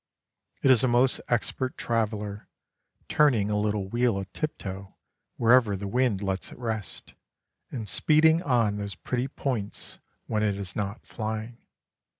It is a most expert traveller, turning a little wheel a tiptoe wherever the wind lets it rest, and speeding on those pretty points when it is not flying.